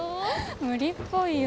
無理っぽいよ。